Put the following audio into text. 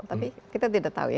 tapi kita tidak tahu